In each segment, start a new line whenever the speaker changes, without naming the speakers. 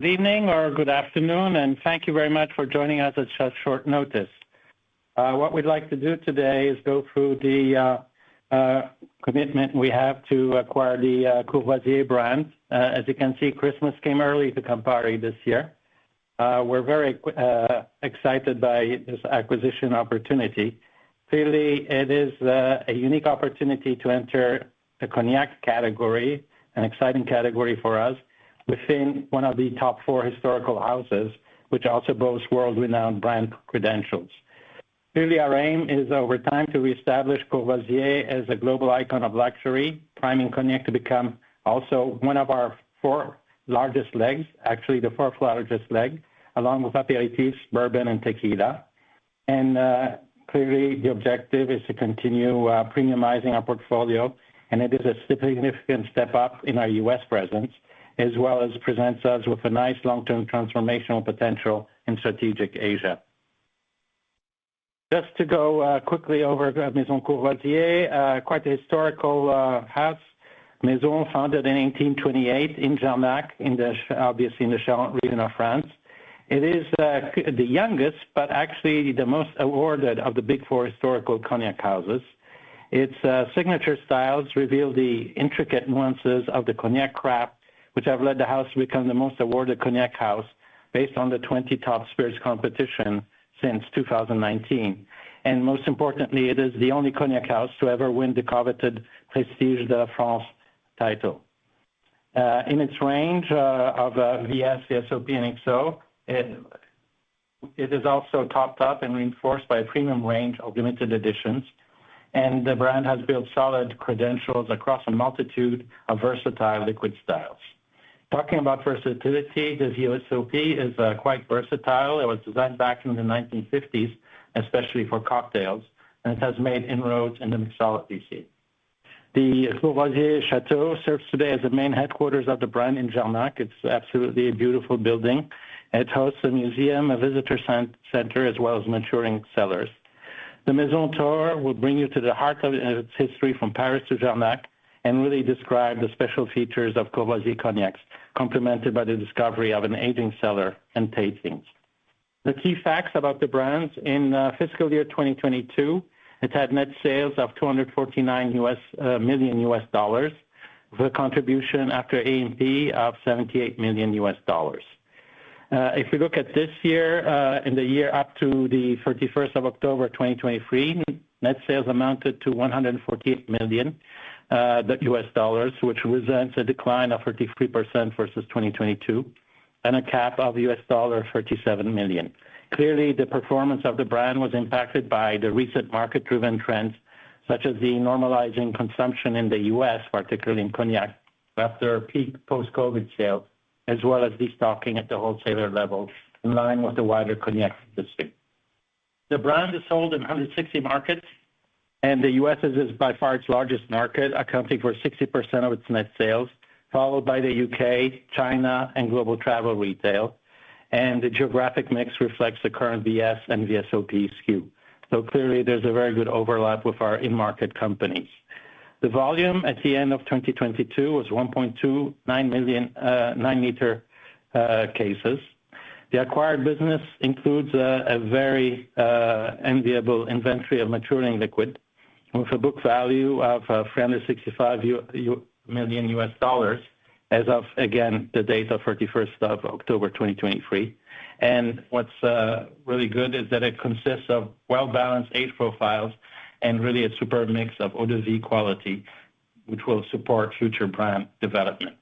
Good evening or good afternoon, and thank you very much for joining us at such short notice. What we'd like to do today is go through the commitment we have to acquire the Courvoisier brand. As you can see, Christmas came early to Campari this year. We're very excited by this acquisition opportunity. Clearly, it is a unique opportunity to enter the cognac category, an exciting category for us, within one of the top four historical houses, which also boasts world-renowned brand credentials. Clearly, our aim is, over time, to reestablish Courvoisier as a global icon of luxury, priming cognac to become also one of our four largest legs, actually the fourth largest leg, along with aperitifs, bourbon, and tequila. Clearly, the objective is to continue premiumizing our portfolio, and it is a significant step up in our U.S. presence, as well as presents us with a nice long-term transformational potential in strategic Asia. Just to go quickly over Maison Courvoisier, quite a historical house. Maison founded in 1828 in Jarnac, obviously, in the Charente region of France. It is the youngest, but actually the most awarded of the big four historical cognac houses. Its signature styles reveal the intricate nuances of the cognac craft, which have led the house to become the most awarded cognac house based on the top 20 spirits competitions since 2019. And most importantly, it is the only cognac house to ever win the coveted Prestige de la France title. In its range of VS, VSOP, and XO, it is also topped up and reinforced by a premium range of limited editions, and the brand has built solid credentials across a multitude of versatile liquid styles. Talking about versatility, the VSOP is quite versatile. It was designed back in the 1950s, especially for cocktails, and it has made inroads in the mixology scene. The Courvoisier Château serves today as the main headquarters of the brand in Jarnac. It's absolutely a beautiful building. It hosts a museum, a visitor center, as well as maturing cellars. The Maison Tour will bring you to the heart of its history, from Paris to Jarnac, and really describe the special features of Courvoisier cognacs, complemented by the discovery of an aging cellar and tastings. The key facts about the brands, in fiscal year 2022, it had net sales of $249 million, with a contribution after A&P of $78 million. If we look at this year, in the year up to the thirty-first of October, 2023, net sales amounted to $148 million, which represents a decline of 33% versus 2022, and a CAAP of $37 million. Clearly, the performance of the brand was impacted by the recent market-driven trends, such as the normalizing consumption in the U.S., particularly in cognac, after peak post-COVID sales, as well as destocking at the wholesaler level, in line with the wider cognac industry. The brand is sold in 160 markets, and the U.S. is, is by far its largest market, accounting for 60% of its net sales, followed by the U.K., China, and global travel retail, and the geographic mix reflects the current VS and VSOP SKU. So clearly, there's a very good overlap with our in-market companies. The volume at the end of 2022 was 1.29 million 9 l cases. The acquired business includes a, a very, enviable inventory of maturing liquid, with a book value of $365 million, as of, again, the date of 31st of October, 2023. And what's, really good is that it consists of well-balanced age profiles and really a superb mix of eau de vie quality, which will support future brand development.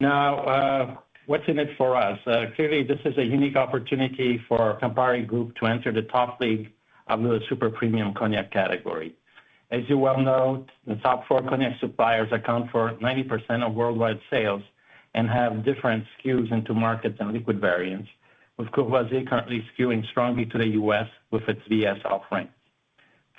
Now, what's in it for us? Clearly, this is a unique opportunity for Campari Group to enter the top league of the super premium cognac category. As you well know, the top four cognac suppliers account for 90% of worldwide sales and have different SKUs into markets and liquid variants, with Courvoisier currently skewing strongly to the U.S. with its VS offerings.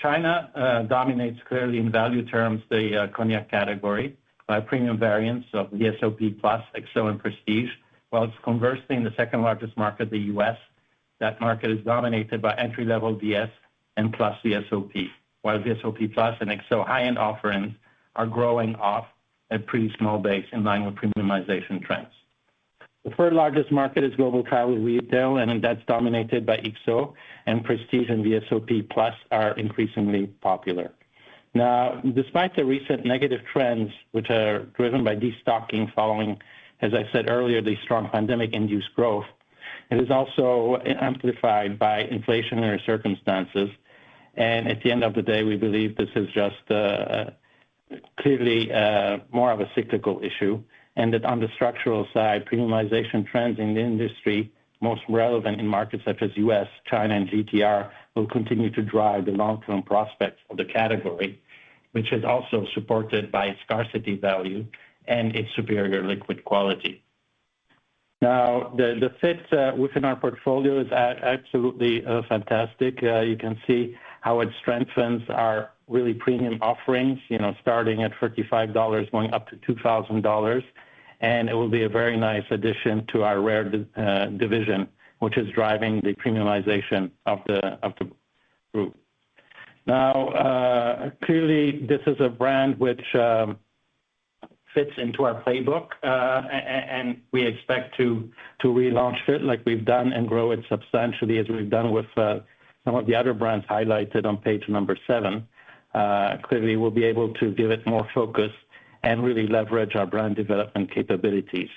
China dominates clearly in value terms, the cognac category by premium variants of VSOP Plus, XO, and Prestige. While it's conversely in the second largest market, the U.S., that market is dominated by entry-level VS and plus VSOP, while VSOP Plus and XO high-end offerings are growing off a pretty small base in line with premiumization trends. The third largest market is global travel retail, and that's dominated by XO, and Prestige and VSOP Plus are increasing popular. Now, despite the recent negative trends, which are driven by destocking following, as I said earlier, the strong pandemic-induced growth, it is also amplified by inflationary circumstances. At the end of the day, we believe this is just, clearly, more of a cyclical issue, and that on the structural side, premiumization trends in the industry, most relevant in markets such as U.S., China, and GTR, will continue to drive the long-term prospects of the category, which is also supported by scarcity value and its superior liquid quality. Now, the fit within our portfolio is at absolutely fantastic. You can see how it strengthens our really premium offerings, you know, starting at $35, going up to $2,000, and it will be a very nice addition to our RARE division, which is driving the premiumization of the group. Now, clearly, this is a brand which fits into our playbook, and we expect to relaunch it like we've done, and grow it substantially, as we've done with some of the other brands highlighted on page 7. Clearly, we'll be able to give it more focus and really leverage our brand development capabilities.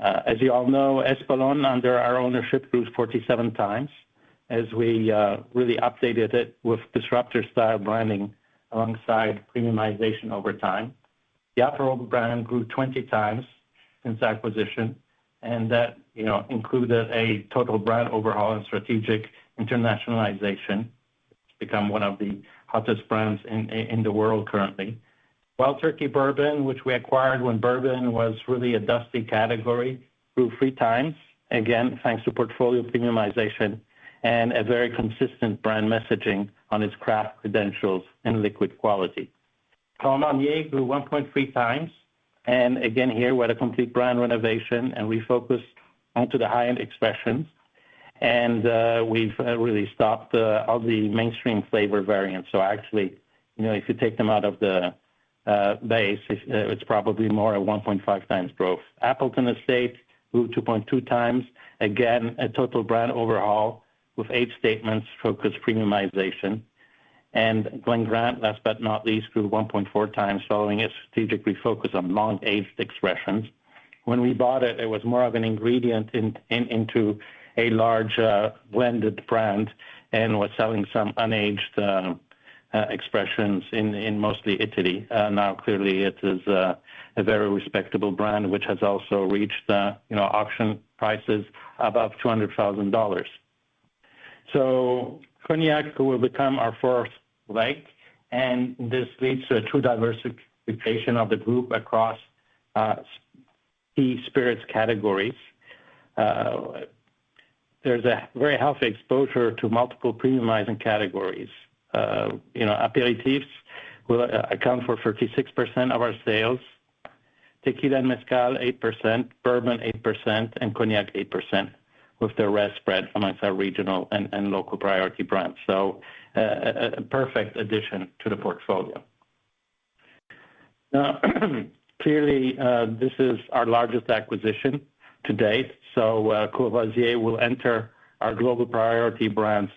As you all know, Espolòn, under our ownership, grew 47 times as we really updated it with disruptor style branding alongside premiumization over time. The Aperol brand grew 20 times since acquisition, and that, you know, included a total brand overhaul and strategic internationalization. It's become one of the hottest brands in, in the world currently. Wild Turkey Bourbon, which we acquired when bourbon was really a dusty category, grew three times. Again, thanks to portfolio premiumization and a very consistent brand messaging on its craft credentials and liquid quality. Courvoisier grew 1.3 times, and again here, we had a complete brand renovation, and we focused onto the high-end expressions. And, we've really stopped all the mainstream flavor variants. So actually, you know, if you take them out of the base, it's probably more a 1.5 times growth. Appleton Estate grew 2.2 times. Again, a total brand overhaul with age statements, focused premiumization. And Glen Grant, last but not least, grew 1.4 times, following a strategic focus on long-aged expressions. When we bought it, it was more of an ingredient into a large blended brand, and was selling some unaged expressions in mostly Italy. Now, clearly, it is a very respectable brand, which has also reached, you know, auction prices above $200,000. So cognac will become our fourth leg, and this leads to a true diversification of the group across key spirits categories. There's a very healthy exposure to multiple premiumizing categories. You know, aperitifs will account for 36% of our sales; tequila and mezcal, 8%; bourbon, 8%, and cognac, 8%, with the rest spread amongst our regional and local priority brands. So, a perfect addition to the portfolio. Now, clearly, this is our largest acquisition to date, so, Courvoisier will enter our global priority brands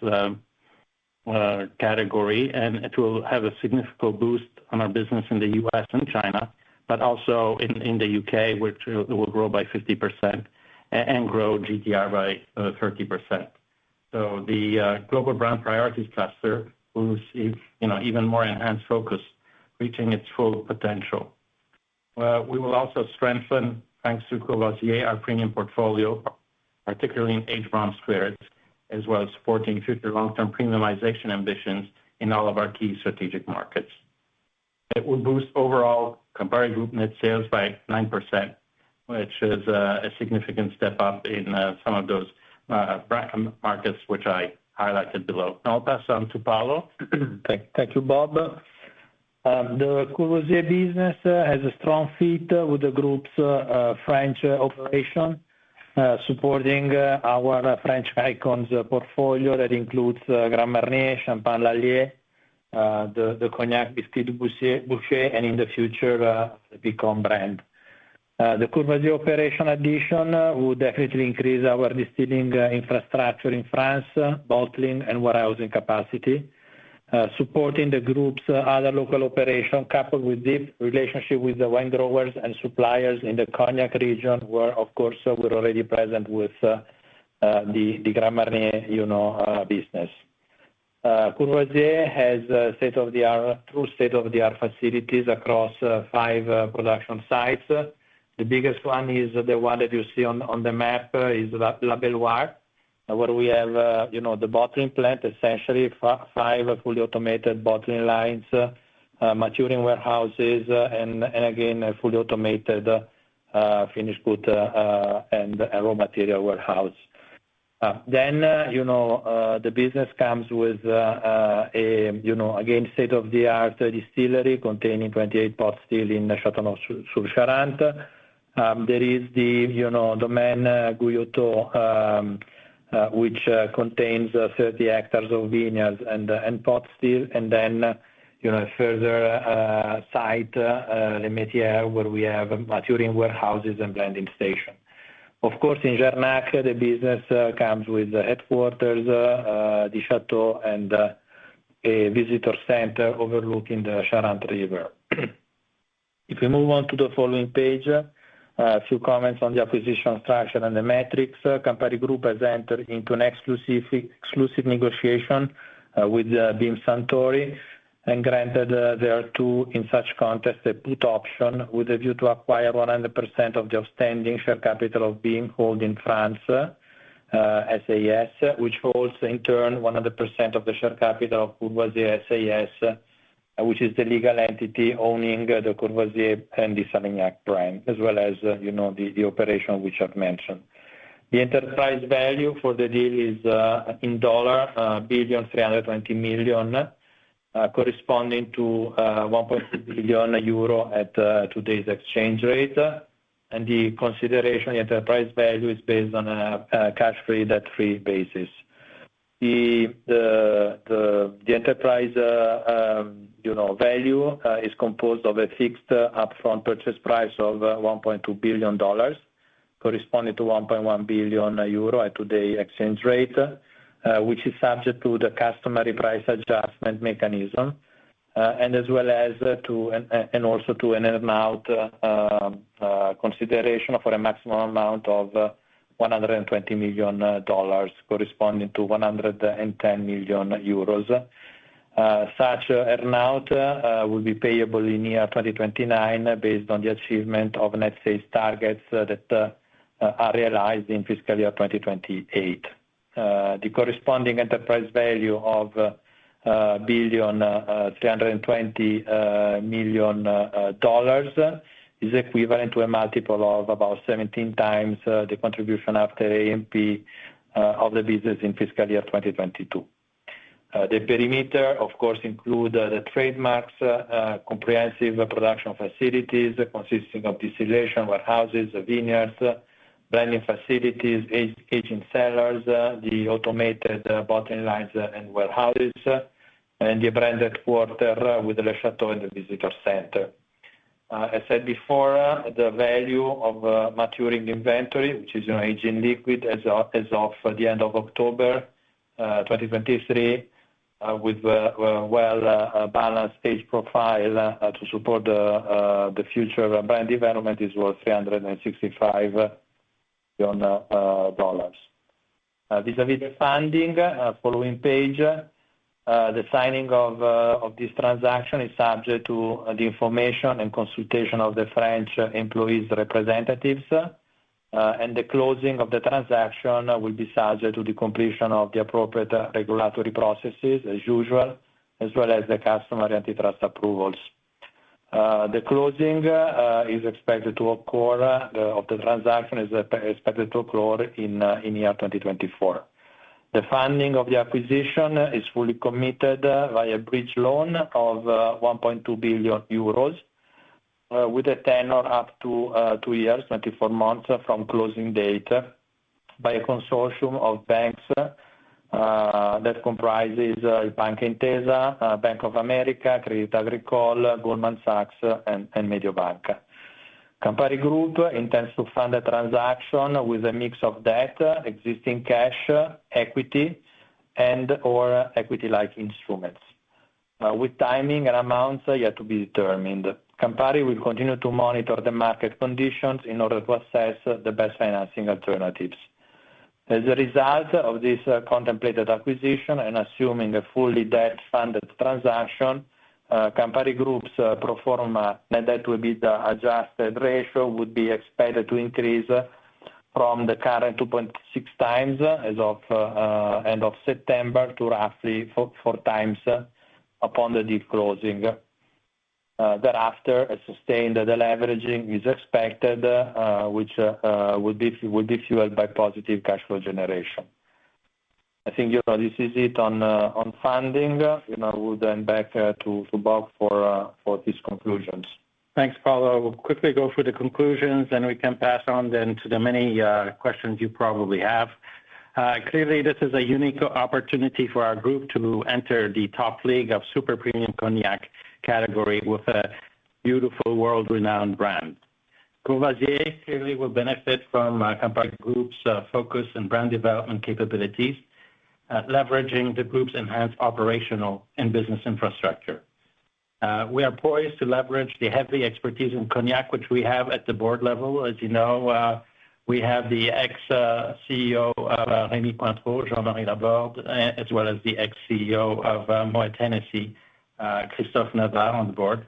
category, and it will have a significant boost on our business in the U.S. and China, but also in the U.K., which will grow by 50% and grow GTR by 30%. So the global brand priorities cluster will receive, you know, even more enhanced focus, reaching its full potential. We will also strengthen, thanks to Courvoisier, our premium portfolio, particularly in aged rum spirits, as well as supporting future long-term premiumization ambitions in all of our key strategic markets. It will boost overall Campari Group net sales by 9%, which is a significant step up in some of those broken markets, which I highlighted below. Now I'll pass on to Paolo.
Thank you, Bob. The Courvoisier business has a strong fit with the group's French operation, supporting our French icons portfolio. That includes Grand Marnier, Champagne Lallier, the Cognac Bisquit Dubouché, and in the future, the Picon brand. The Courvoisier operation addition will definitely increase our distilling infrastructure in France, bottling and warehousing capacity, supporting the group's other local operation, coupled with deep relationship with the wine growers and suppliers in the Cognac region, where, of course, we're already present with the Grand Marnier, you know, business. Courvoisier has a state-of-the-art, true state-of-the-art facilities across five production sites. The biggest one is the one that you see on, on the map, is La Belle Étoile, where we have, you know, the bottling plant, essentially fiv fully automated bottling lines, maturing warehouses, and, and again, a fully automated, finished good, and raw material warehouse. Then, you know, the business comes with, you know, again, state-of-the-art distillery containing 28 pot still in Châteauneuf-sur-Charente. There is the, you know, Domaine Guillot, which, contains 30 hectares of vineyards and, and pot still, and then, you know, a further, site, Les Métairies, where we have maturing warehouses and blending station. Of course, in Jarnac, the business, comes with the headquarters, the château, and, a visitor center overlooking the Charente River. If we move on to the following page, a few comments on the acquisition structure and the metrics. Campari Group has entered into an exclusive negotiation with Beam Suntory, and granted, in such context, a put option with a view to acquire 100% of the outstanding share capital of Beam Holding France SAS, which holds in turn 100% of the share capital of Courvoisier SAS, which is the legal entity owning the Courvoisier and the Delamain brand, as well as, you know, the operation which I've mentioned. The enterprise value for the deal is $1.32 billion, corresponding to 1.6 billion euro at today's exchange rate, and the consideration, the enterprise value is based on a cash-free, debt-free basis. The enterprise value, you know, is composed of a fixed upfront purchase price of $1.2 billion, corresponding to 1.1 billion euro at today's exchange rate, which is subject to the customary price adjustment mechanism and also to an earn-out consideration for a maximum amount of $120 million, corresponding to 110 million euros. Such earn-out will be payable in year 2029, based on the achievement of net sales targets that are realized in fiscal year 2028. The corresponding enterprise value of $1.32 billion is equivalent to a multiple of about 17x the contribution after A&P of the business in fiscal year 2022. The perimeter, of course, includes the trademarks, comprehensive production facilities consisting of distillation warehouses, vineyards, blending facilities, aging cellars, the automated bottling lines and warehouses, and the brand headquarters with Le Château and the visitor center. I said before, the value of maturing inventory, which is an aging liquid, as of the end of October 2023, with a well balanced age profile to support the future brand development, is worth $365 million. Vis-à-vis the funding, following page, the signing of this transaction is subject to the information and consultation of the French employees' representatives. And the closing of the transaction will be subject to the completion of the appropriate regulatory processes as usual, as well as the customary antitrust approvals. The closing is expected to occur of the transaction is expected to occur in year 2024. The funding of the acquisition is fully committed via bridge loan of 1.2 billion euros with a tenor up to two years, 24 months from closing date, by a consortium of banks that comprises Bank Intesa, Bank of America, Crédit Agricole, Goldman Sachs, and, and Mediobanca. Campari Group intends to fund a transaction with a mix of debt, existing cash, equity, and/or equity-like instruments with timing and amounts yet to be determined. Campari will continue to monitor the market conditions in order to assess the best financing alternatives. As a result of this contemplated acquisition, and assuming a fully debt-funded transaction, Campari Group's pro forma net debt will be the adjusted ratio, would be expected to increase from the current 2.6 times as of end of September, to roughly 4, 4 times upon the deal closing. Thereafter, a sustained deleveraging is expected, which, will be, will be fueled by positive cash flow generation. I think, you know, this is it on, on funding. You know, we'll then back, to, to Bob for, for his conclusions.
Thanks, Paolo. We'll quickly go through the conclusions, then we can pass on then to the many questions you probably have. Clearly, this is a unique opportunity for our group to enter the top league of super premium cognac category with a beautiful world-renowned brand. Courvoisier clearly will benefit from Campari Group's focus and brand development capabilities, leveraging the group's enhanced operational and business infrastructure. We are poised to leverage the heavy expertise in cognac, which we have at the board level. As you know, we have the ex-CEO of Rémy Cointreau, Jean-Marie Laborde, as well as the ex-CEO of Moët Hennessy, Christophe Navarre on the board,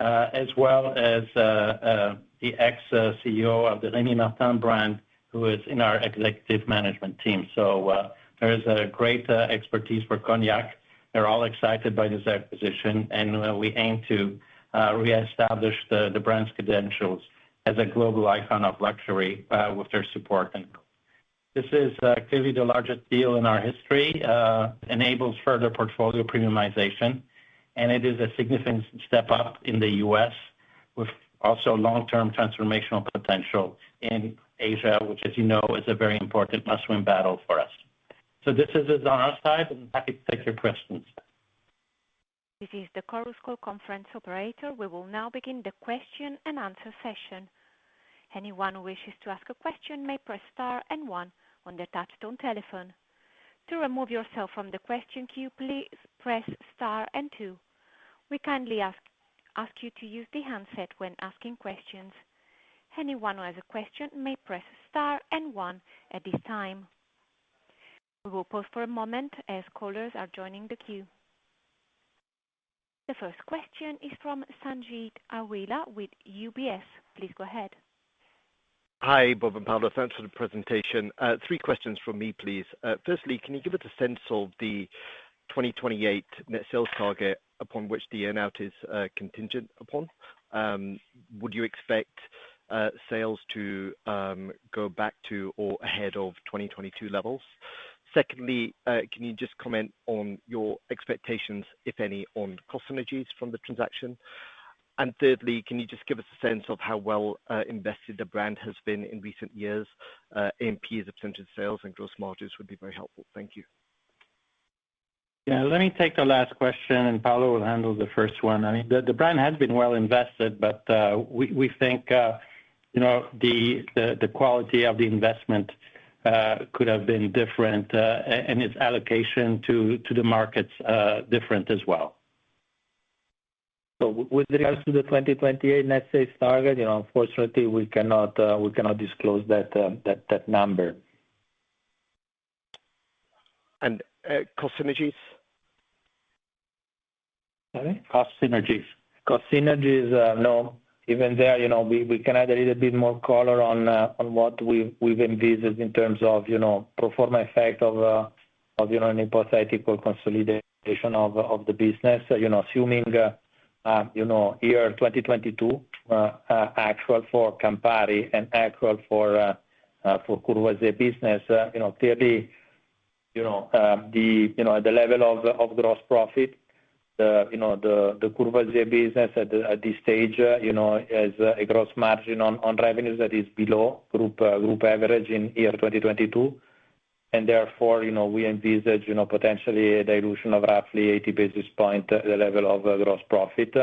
as well as the ex-CEO of the Rémy Martin brand, who is in our executive management team. So, there is a great expertise for cognac. They're all excited by this acquisition, and we aim to reestablish the brand's credentials as a global icon of luxury with their support. And this is clearly the largest deal in our history, enables further portfolio premiumization, and it is a significant step up in the U.S., with also long-term transformational potential in Asia, which, as you know, is a very important must-win battle for us. So this is it on our side, and happy to take your questions.
This is the Chorus Call conference operator. We will now begin the question and answer session. Anyone who wishes to ask a question may press Star and One on their touchtone telephone. To remove yourself from the question queue, please press Star and Two. We kindly ask you to use the handset when asking questions. Anyone who has a question may press Star and One at this time. We will pause for a moment as callers are joining the queue. The first question is from Sanjeet Aujla with UBS. Please go ahead.
Hi, Bob and Paolo. Thanks for the presentation. Three questions from me, please. Firstly, can you give us a sense of the 2028 net sales target upon which the earn-out is contingent upon? Would you expect sales to go back to or ahead of 2022 levels? Secondly, can you just comment on your expectations, if any, on cost synergies from the transaction? And thirdly, can you just give us a sense of how well invested the brand has been in recent years; A&P as a percentage of sales and gross margins would be very helpful. Thank you.
Yeah, let me take the last question, and Paolo will handle the first one. I mean, the brand has been well invested, but we think, you know, the quality of the investment could have been different, and its allocation to the markets different as well.
So with regards to the 2028 net sales target, you know, unfortunately, we cannot disclose that number.
Cost synergies?
Sorry? Cost synergies.
Cost synergies, no. Even there, you know, we can add a little bit more color on what we've envisaged in terms of, you know, pro forma effect of, you know, an hypothetical consolidation of the business. You know, assuming, you know, year 2022 actual for Campari and actual for Courvoisier business, you know, clearly, you know, the level of gross profit, the Courvoisier business at this stage, you know, has a gross margin on revenues that is below group average in year 2022. And therefore, you know, we envisage, you know, potentially a dilution of roughly 80 basis points at the level of gross profit.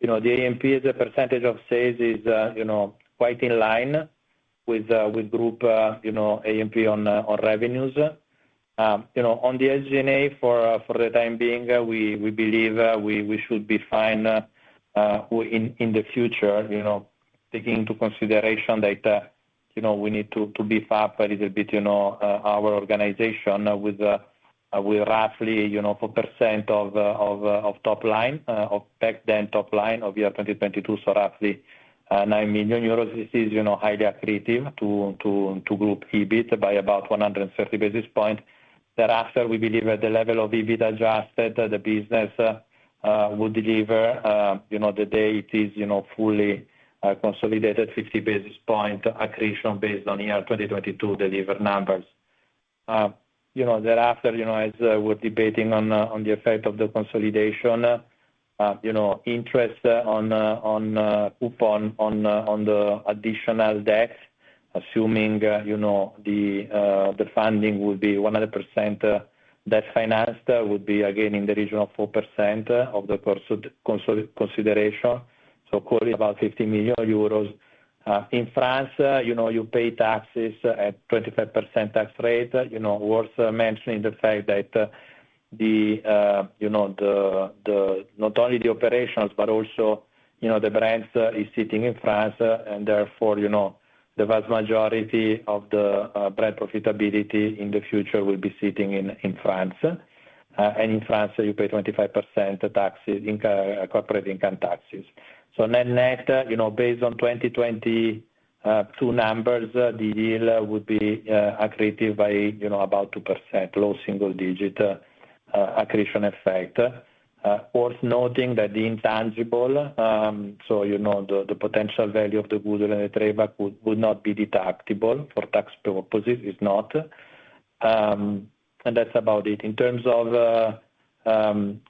You know, the AMP as a percentage of sales is, you know, quite in line with, with group, you know, AMP on, on revenues. You know, on the SG&A for, for the time being, we, we believe, we, we should be fine, in, in the future, you know, taking into consideration that, you know, we need to, to beef up a little bit, you know, our organization with, with roughly, you know, 4% of top line, of back then top line of year 2022, so roughly, 9 million euros. This is, you know, highly accretive to, to, to group EBIT by about 130 basis point. Thereafter, we believe at the level of EBIT adjusted, the business will deliver, you know, the day it is, you know, fully consolidated 50 basis points accretion based on year 2022 delivered numbers. You know, thereafter, you know, as we're debating on the effect of the consolidation, you know, interest on the coupon on the additional debt, assuming, you know, the funding will be 100%, that financing would be again in the region of 4% of the purchase consideration, so clearly about 50 million euros. In France, you know, you pay taxes at 25% tax rate. You know, worth mentioning the fact that, you know, not only the operations, but also, you know, the brands is sitting in France, and therefore, you know, the vast majority of the brand profitability in the future will be sitting in France. And in France, you pay 25% corporate income taxes. So then next, you know, based on 2022 numbers, the deal would be accretive by, you know, about 2%, low single digit accretion effect. Worth noting that the intangible, so, you know, the potential value of the goodwill and the trademark would not be deductible for tax purposes, it's not. And that's about it. In terms of R&D,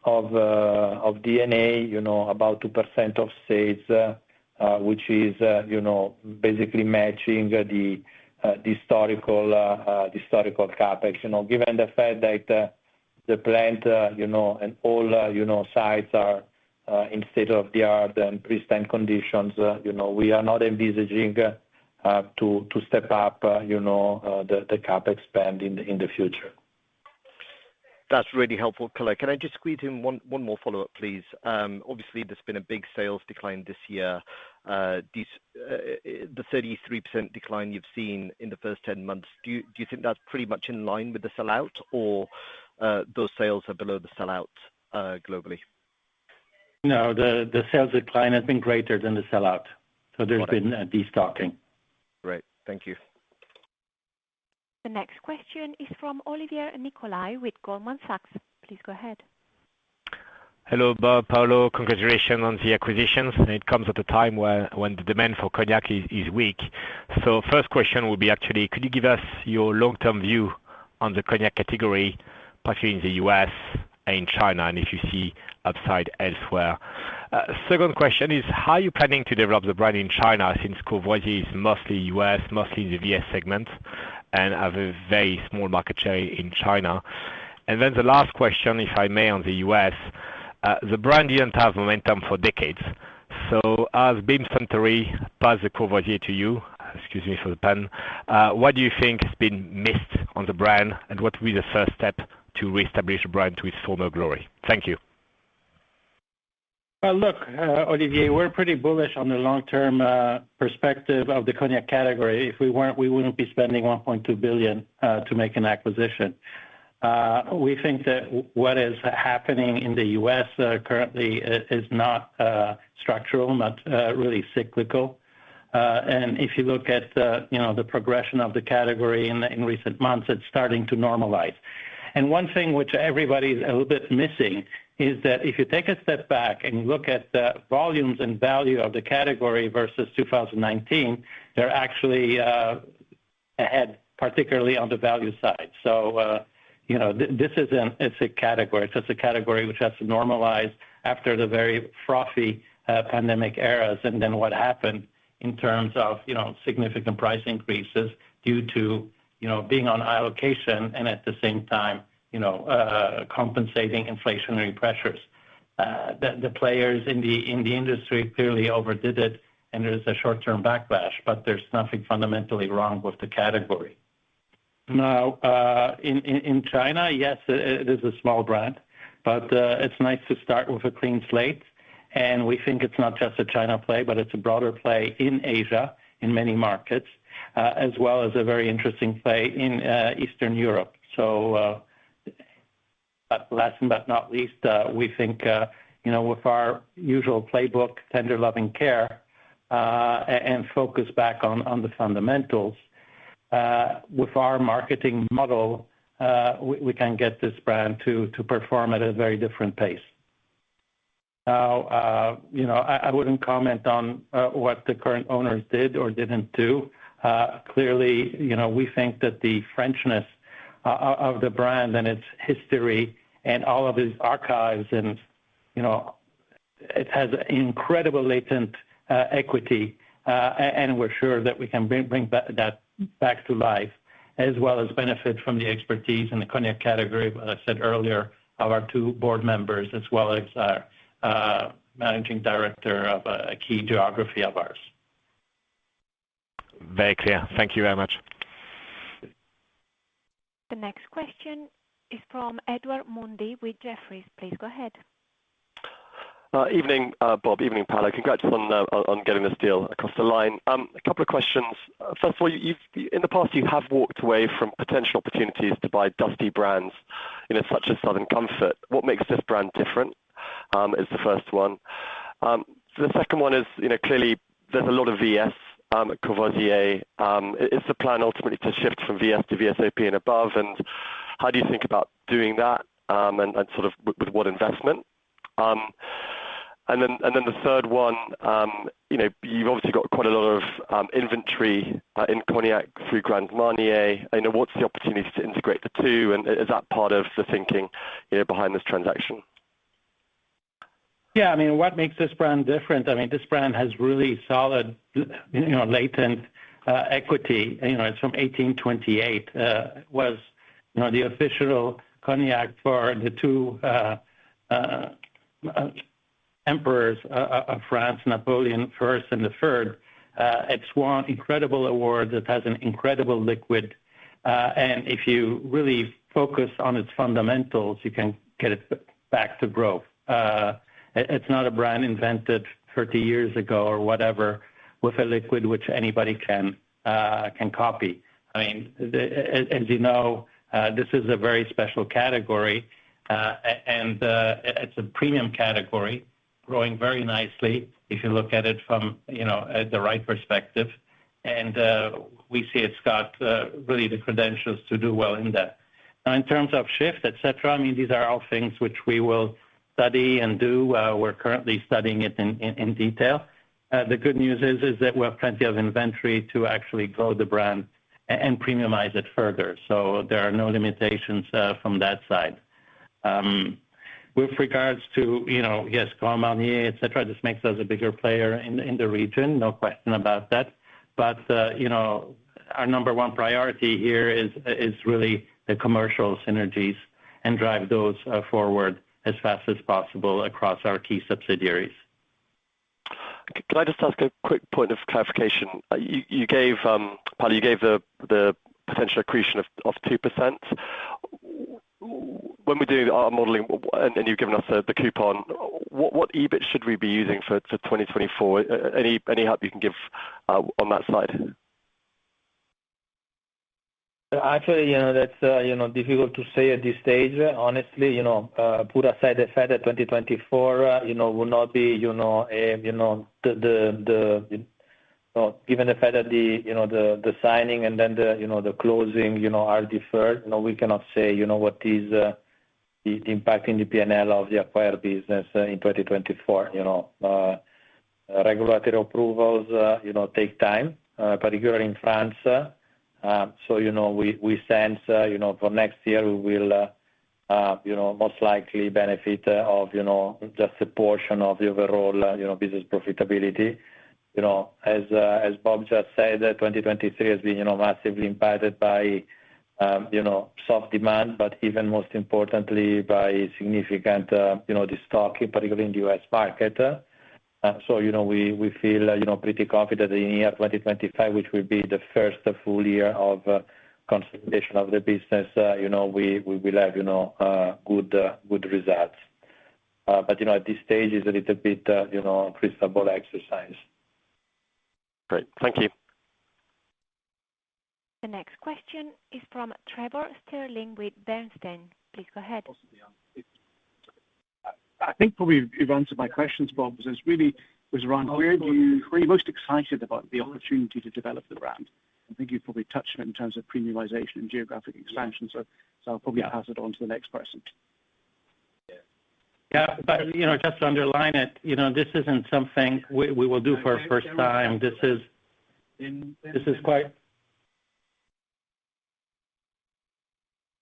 you know, about 2% of sales, which is, you know, basically matching the historical CapEx. You know, given the fact that the plant, you know, and all sites are in state-of-the-art and pristine conditions, you know, we are not envisaging to step up, you know, the CapEx spend in the future.
That's really helpful, Paolo. Can I just squeeze in one more follow-up, please? Obviously, there's been a big sales decline this year. This, the 33% decline you've seen in the first 10 months, do you, do you think that's pretty much in line with the sellout, or, those sales are below the sellout, globally?
No, the sales decline has been greater than the sellout.
Got it.
There's been a destocking.
Great. Thank you.
The next question is from Olivier Nicolai with Goldman Sachs. Please go ahead.
Hello, Bob, Paolo, congratulations on the acquisitions, and it comes at a time when the demand for cognac is weak. So first question would be actually, could you give us your long-term view on the cognac category, particularly in the US and China, and if you see upside elsewhere? Second question is, how are you planning to develop the brand in China, since Courvoisier is mostly US, mostly in the VS segment, and have a very small market share in China? And then the last question, if I may, on the US. The brand didn't have momentum for decades. So as Beam Suntory passed the Courvoisier to you, excuse me for the pun, what do you think has been missed on the brand, and what will be the first step to reestablish the brand to its former glory? Thank you.
Well, look, Olivier, we're pretty bullish on the long-term perspective of the cognac category. If we weren't, we wouldn't be spending $1.2 billion to make an acquisition. We think that what is happening in the US currently is not structural, not really cyclical. And if you look at, you know, the progression of the category in the recent months, it's starting to normalize... And one thing which everybody's a little bit missing is that if you take a step back and look at the volumes and value of the category versus 2019, they're actually ahead, particularly on the value side. So, you know, this is an—it's a category. So it's a category which has to normalize after the very frothy, pandemic eras, and then what happened in terms of, you know, significant price increases due to, you know, being on allocation and at the same time, you know, compensating inflationary pressures. The players in the industry clearly overdid it, and there's a short-term backlash, but there's nothing fundamentally wrong with the category. Now, in China, yes, it is a small brand, but it's nice to start with a clean slate, and we think it's not just a China play, but it's a broader play in Asia, in many markets, as well as a very interesting play in Eastern Europe. So, but last but not least, we think, you know, with our usual playbook, tender loving care, and focus back on the fundamentals, with our marketing model, we can get this brand to perform at a very different pace. Now, you know, I wouldn't comment on what the current owners did or didn't do. Clearly, you know, we think that the Frenchness of the brand and its history and all of its archives and, you know, it has incredible latent equity, and we're sure that we can bring that back to life, as well as benefit from the expertise in the cognac category, as I said earlier, of our two board members, as well as our managing director of a key geography of ours.
Very clear. Thank you very much.
The next question is from Edward Mundy with Jefferies. Please go ahead.
Evening, Bob, evening, Paolo. Congrats on getting this deal across the line. A couple of questions. First of all, in the past, you have walked away from potential opportunities to buy dusty brands, you know, such as Southern Comfort. What makes this brand different? Is the first one. So the second one is, you know, clearly there's a lot of VS at Courvoisier. Is the plan ultimately to shift from VS to VSOP and above, and how do you think about doing that, and sort of with what investment? And then the third one, you know, you've obviously got quite a lot of inventory in cognac through Grand Marnier. And what's the opportunity to integrate the two, and is that part of the thinking, you know, behind this transaction?
Yeah, I mean, what makes this brand different? I mean, this brand has really solid, you know, latent equity. You know, it's from 1828. It was, you know, the official cognac for the two emperors of France, Napoleon First and the Third. It's won incredible awards, it has an incredible liquid, and if you really focus on its fundamentals, you can get it back to growth. It, it's not a brand invented 30 years ago or whatever, with a liquid which anybody can copy. I mean, as you know, this is a very special category, and it's a premium category, growing very nicely if you look at it from, you know, at the right perspective. And we see it's got really the credentials to do well in that. Now, in terms of shift, et cetera, I mean, these are all things which we will study and do. We're currently studying it in detail. The good news is that we have plenty of inventory to actually grow the brand and premiumize it further, so there are no limitations from that side. With regards to, you know, yes, Grand Marnier, et cetera, this makes us a bigger player in the region, no question about that. But, you know, our number one priority here is really the commercial synergies and drive those forward as fast as possible across our key subsidiaries.
Can I just ask a quick point of clarification? You gave, Paolo, you gave the potential accretion of 2%. When we're doing our modeling, and you've given us the coupon, what EBIT should we be using for 2024? Any help you can give on that slide?
Actually, you know, that's, you know, difficult to say at this stage. Honestly, you know, put aside the fact that 2024, you know, will not be, you know, a, you know, the. Given the fact that the, you know, the signing and then the, you know, the closing, you know, are deferred, you know, we cannot say, you know, what is, the impact in the PNL of the acquired business in 2024. You know, regulatory approvals, you know, take time, particularly in France. So you know, we sense, you know, for next year, we will, you know, most likely benefit of, you know, just a portion of the overall, you know, business profitability. You know, as Bob just said, 2023 has been, you know, massively impacted by, you know, soft demand, but even most importantly, by significant, you know, destocking, particularly in the U.S. market. So, you know, we, we feel, you know, pretty confident in the year 2025, which will be the first full year of, consolidation of the business, you know, we, we will have, you know, good, good results. But, you know, at this stage, it's a little bit, you know, crystal ball exercise.
Great. Thank you.
The next question is from Trevor Stirling with Bernstein. Please go ahead.
I think probably you've answered my questions, Bob, because it's really was around where are you, where are you most excited about the opportunity to develop the brand? I think you've probably touched on it in terms of premiumization and geographic expansion, so, so I'll probably pass it on to the next person.
Yeah. But, you know, just to underline it, you know, this isn't something we will do for a first time. This is quite...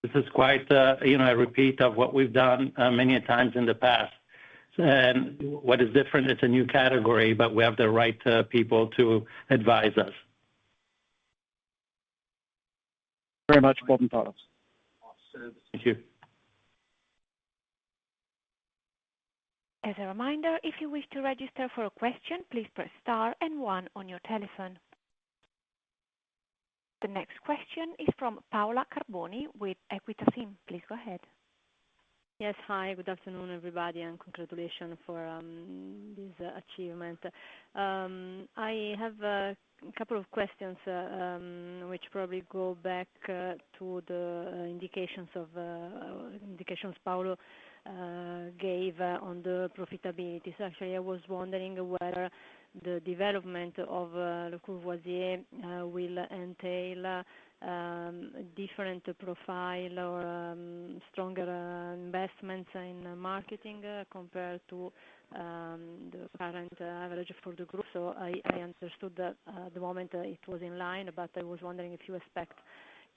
This is quite, you know, a repeat of what we've done many a times in the past. And what is different, it's a new category, but we have the right people to advise us.
Very much, Bob and Paolo. Thank you.
As a reminder, if you wish to register for a question, please press star and one on your telephone. The next question is from Paola Carboni with Equita SIM. Please go ahead.
Yes. Hi, good afternoon, everybody, and congratulations for this achievement. I have a couple of questions, which probably go back to the indications Paolo gave on the profitability. Actually, I was wondering whether the development of Courvoisier will entail different profile or stronger investments in marketing compared to the current average for the group. So I understood that at the moment it was in line, but I was wondering if you expect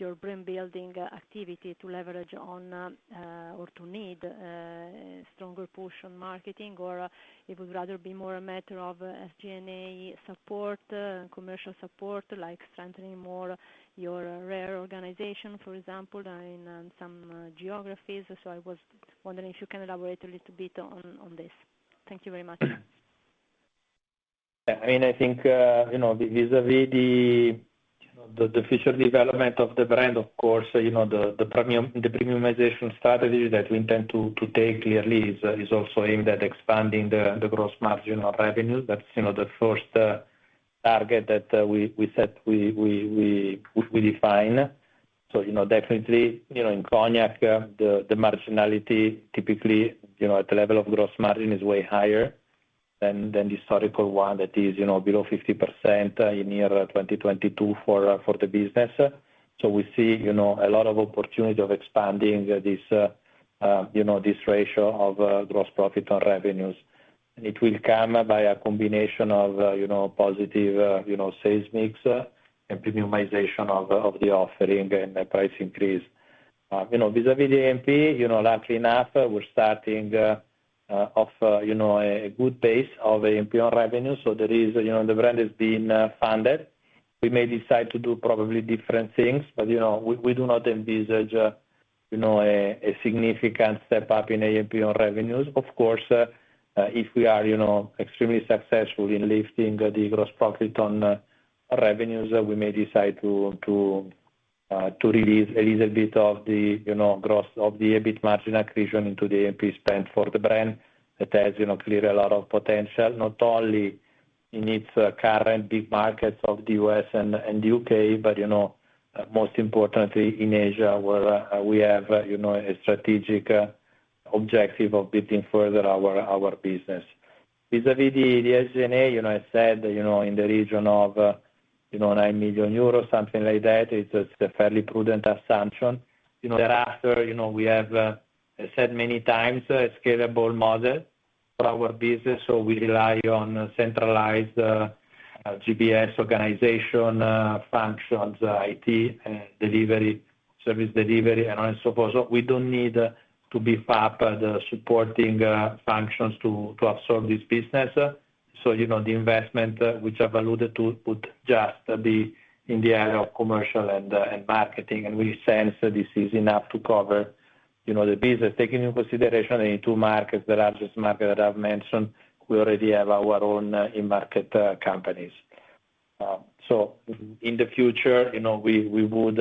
your brand building activity to leverage on or to need stronger push on marketing, or it would rather be more a matter of SG&A support, commercial support, like strengthening more your RARE organization, for example, than in some geographies. I was wondering if you can elaborate a little bit on, on this. Thank you very much.
Yeah, I mean, I think, you know, vis-à-vis the future development of the brand, of course, you know, the premiumization strategy that we intend to take clearly is also aimed at expanding the gross margin of revenue. That's, you know, the first target that we define. So, you know, definitely, you know, in cognac, the marginality, typically, you know, at the level of gross margin is way higher than the historical one that is, you know, below 50% in 2022 for the business. So we see, you know, a lot of opportunity of expanding this, you know, this ratio of gross profit on revenues. It will come by a combination of, you know, positive, you know, sales mix, and premiumization of, of the offering and a price increase. You know, vis-à-vis the A&P, you know, luckily enough, we're starting off, you know, a good base of A&P on revenue, so there is, you know, the brand is being funded. We may decide to do probably different things, but, you know, we do not envisage, you know, a significant step up in A&P on revenues. Of course, if we are, you know, extremely successful in lifting the gross profit on revenues, we may decide to release a little bit of the, you know, growth of the EBIT margin accretion into the A&P spend for the brand. That has, you know, clearly a lot of potential, not only in its current big markets of the U.S. and the U.K., but you know, most importantly, in Asia, where we have, you know, a strategic objective of building further our business. Vis-a-vis the SG&A, you know, I said, you know, in the region of 9 million euros, something like that, it's a fairly prudent assumption. You know, thereafter, you know, we have, I said many times, a scalable model for our business, so we rely on centralized GBS organization functions, IT and delivery, service delivery and so forth. So we don't need to be fat at supporting functions to absorb this business. So, you know, the investment, which I've alluded to, would just be in the area of commercial and marketing, and we sense this is enough to cover, you know, the business. Taking into consideration, in two markets, the largest market that I've mentioned, we already have our own, in-market, companies. So in the future, you know, we would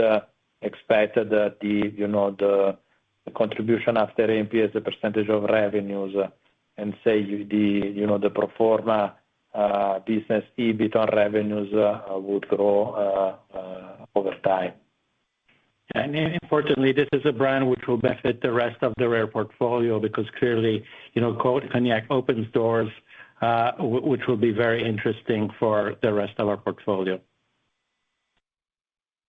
expect that the, you know, the contribution after A&P as a percentage of revenues and say, the, you know, the pro forma, business, EBIT on revenues, would grow, over time.
Importantly, this is a brand which will benefit the rest of the rare portfolio because clearly, you know, cognac opens doors, which will be very interesting for the rest of our portfolio.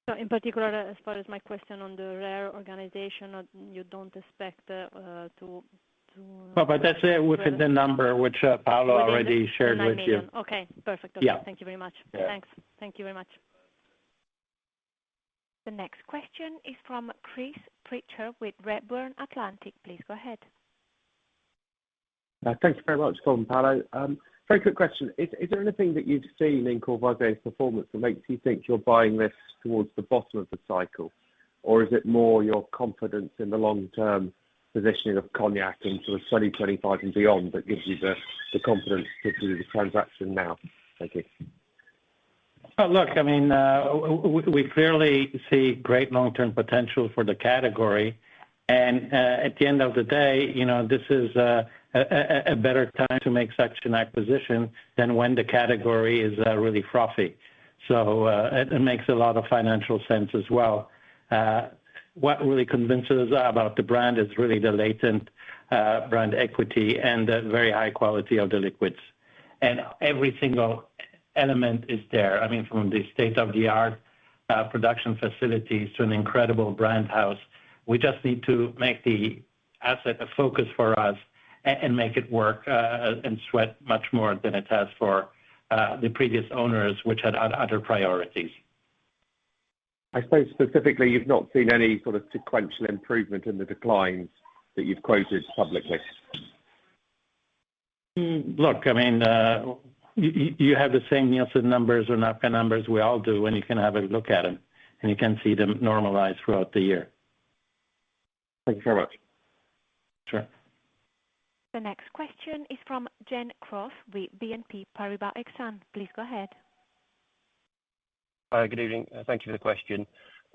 So in particular, as far as my question on the RARE organization, you don't expect to-
No, but that's within the number which Paolo already shared with you.
Okay, perfect.
Yeah.
Thank you very much.
Yeah.
Thanks. Thank you very much.
The next question is from Chris Pitcher with Redburn Atlantic. Please go ahead.
Thank you very much, Paolo. Very quick question. Is there anything that you've seen in Courvoisier's performance that makes you think you're buying this towards the bottom of the cycle? Or is it more your confidence in the long-term positioning of cognac into 2025 and beyond that gives you the confidence to do the transaction now? Thank you.
Well, look, I mean, we clearly see great long-term potential for the category, and, at the end of the day, you know, this is a better time to make such an acquisition than when the category is really frothy. So, it makes a lot of financial sense as well. What really convinces us about the brand is really the latent brand equity and the very high quality of the liquids... Every single element is there. I mean, from the state-of-the-art production facilities to an incredible brand house. We just need to make the asset a focus for us and make it work, and sweat much more than it has for the previous owners, which had other priorities.
I suppose, specifically, you've not seen any sort of sequential improvement in the declines that you've quoted publicly?
Look, I mean, you have the same Nielsen numbers or NAPCA numbers we all do, and you can have a look at them, and you can see them normalize throughout the year.
Thank you very much.
Sure.
The next question is from Genevieve Cross with BNP Paribas Exane. Please go ahead.
Hi, good evening. Thank you for the question.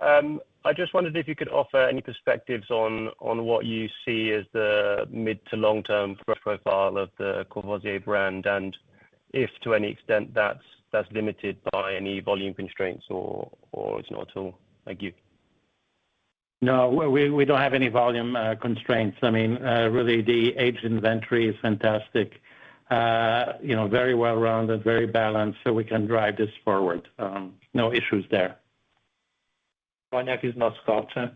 I just wondered if you could offer any perspectives on what you see as the mid- to long-term growth profile of the Courvoisier brand, and if to any extent, that's limited by any volume constraints or it's not at all? Thank you.
No, we don't have any volume constraints. I mean, really, the aged inventory is fantastic. You know, very well-rounded, very balanced, so we can drive this forward. No issues there.
Cognac is not sculpture.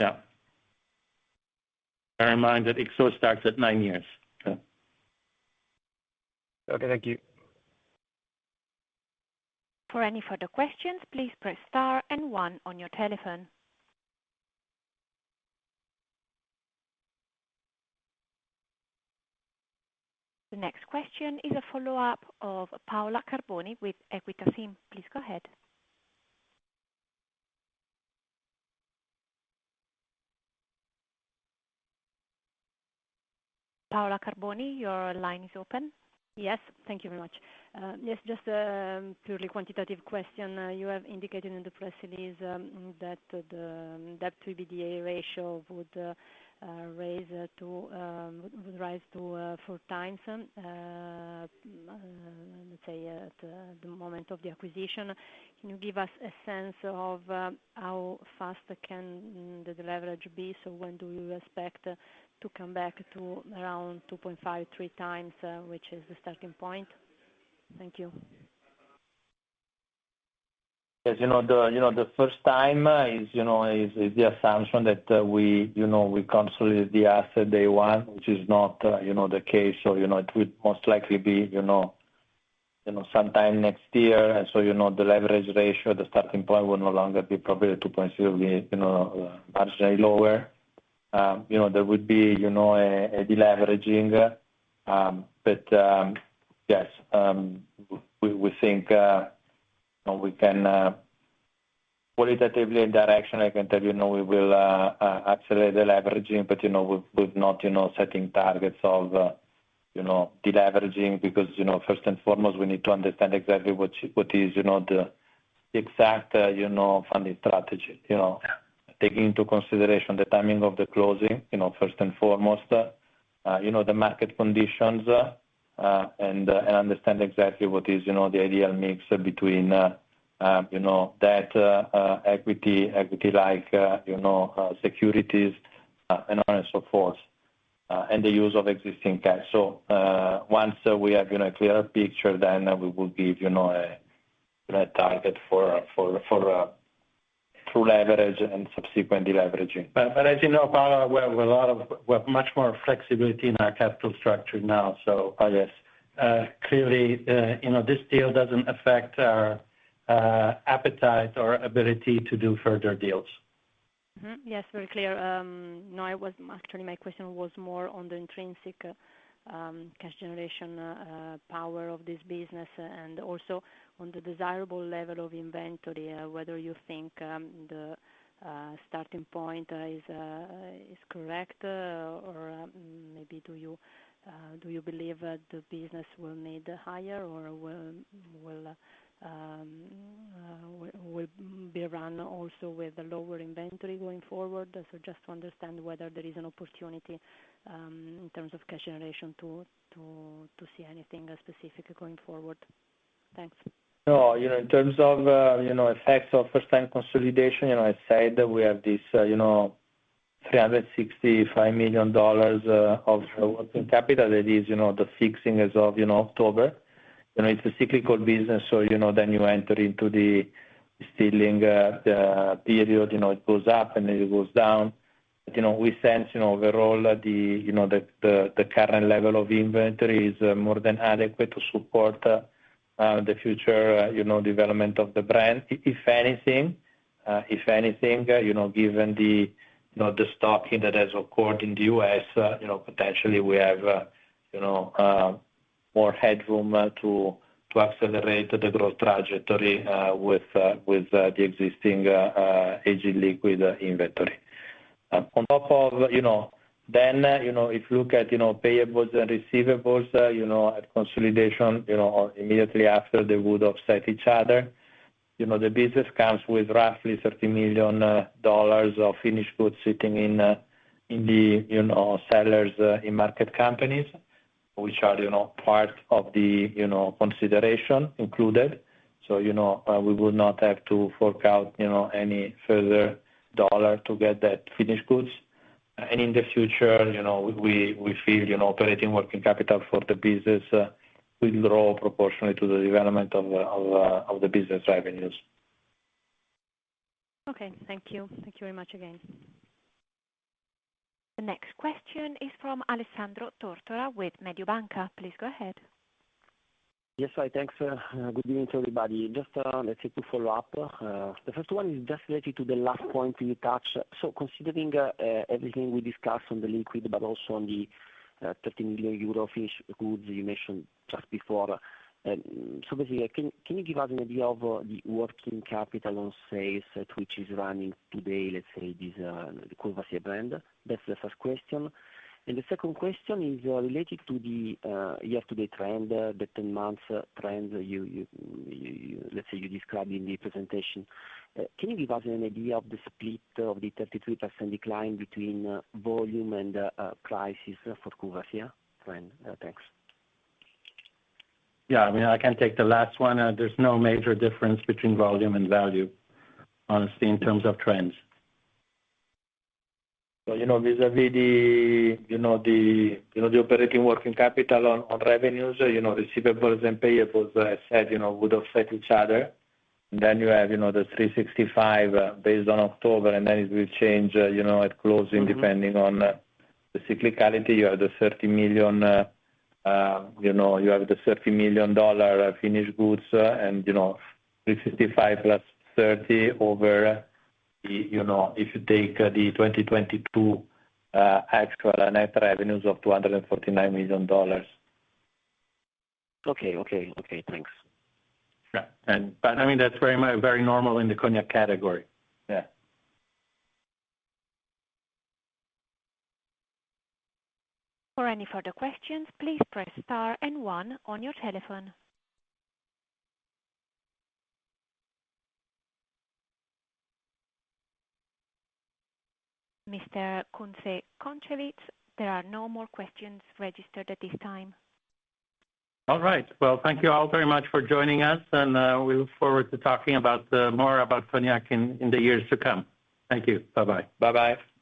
Yeah. Bear in mind that XO starts at nine years. Yeah.
Okay, thank you.
For any further questions, please press star and one on your telephone. The next question is a follow-up of Paola Carboni with Equita SIM. Please go ahead. Paola Carboni, your line is open.
Yes. Thank you very much. Yes, just a purely quantitative question. You have indicated in the press release that the debt-to-EBITDA ratio would rise to 4x, let's say, at the moment of the acquisition. Can you give us a sense of how fast can the leverage be? So when do you expect to come back to around 2.5-3x, which is the starting point? Thank you.
As you know, you know, the first time is the assumption that, you know, we consolidate the asset day one, which is not, you know, the case. So, you know, it would most likely be, you know, sometime next year. And so, you know, the leverage ratio, the starting point will no longer be probably 2.0, marginally lower. You know, there would be, you know, a deleveraging, but, yes, we think, you know, we can, qualitatively in direction, I can tell you now, we will accelerate the leveraging, but, you know, we've not, you know, setting targets of, you know, deleveraging, because, you know, first and foremost, we need to understand exactly what is, you know, the exact, you know, funding strategy. You know, taking into consideration the timing of the closing, you know, first and foremost, you know, the market conditions, and understand exactly what is, you know, the ideal mix between, you know, debt, equity, equity-like, you know, securities, and on and so forth, and the use of existing cash. Once we have, you know, a clearer picture, then we will give, you know, a target for through leverage and subsequent deleveraging.
But as you know, Paola, we have much more flexibility in our capital structure now. So I guess, clearly, you know, this deal doesn't affect our appetite or ability to do further deals.
Mm-hmm. Yes, very clear. No, actually, my question was more on the intrinsic cash generation power of this business, and also on the desirable level of inventory, whether you think the starting point is correct, or maybe do you believe that the business will need higher or will be run also with the lower inventory going forward? So just to understand whether there is an opportunity in terms of cash generation to see anything specific going forward? Thanks.
No, you know, in terms of, you know, effects of first-time consolidation, you know, I said that we have this, you know, $365 million of working capital. It is, you know, the fixing as of, you know, October. You know, it's a cyclical business, so, you know, then you enter into the distilling period, you know, it goes up and it goes down. You know, we sense, you know, overall, the, you know, the current level of inventory is more than adequate to support the future, you know, development of the brand. If, if anything, you know, given the, you know, the stocking that has occurred in the US, you know, potentially we have, you know, more headroom, to, to accelerate the growth trajectory, with, with, the existing, aging liquid inventory. On top of, you know, then, you know, if you look at, you know, payables and receivables, you know, at consolidation, you know, immediately after they would offset each other, you know, the business comes with roughly $30 million of finished goods sitting in, in the, you know, sellers in market companies... which are, you know, part of the, you know, consideration included. So, you know, we would not have to fork out, you know, any further dollar to get that finished goods. In the future, you know, we feel, you know, operating working capital for the business will grow proportionally to the development of the business revenues.
Okay, thank you. Thank you very much again. The next question is from Alessandro Tortora with Mediobanca. Please go ahead.
Yes, hi, thanks. Good evening to everybody. Just, let's say, to follow up. The first one is just related to the last point you touched. So considering everything we discussed on the liquid, but also on the 30 million euro finished goods you mentioned just before. So basically, can you give us an idea of the working capital on sales, which is running today, let's say, this Courvoisier brand? That's the first question. And the second question is related to the year-to-date trend, the 10-month trend you, let's say, you described in the presentation. Can you give us an idea of the split of the 33% decline between volume and prices for Courvoisier trend? Thanks.
Yeah, I mean, I can take the last one. There's no major difference between volume and value, honestly, in terms of trends. So, you know, vis-a-vis the operating working capital on revenues, you know, receivables and payables, as I said, you know, would offset each other. Then you have, you know, the 365 based on October, and then it will change, you know, at closing, depending on the cyclicality. You have the $30 million finished goods, and, you know, 355 + 30 over the, you know, if you take the 2022 actual net revenues of $249 million.
Okay. Okay. Okay, thanks.
Yeah. I mean, that's very normal in the cognac category. Yeah.
For any further questions, please press star and one on your telephone. Mr. Kunze-Concewitz, there are no more questions registered at this time.
All right. Well, thank you all very much for joining us, and we look forward to talking about more about cognac in the years to come. Thank you. Bye-bye. Bye-bye.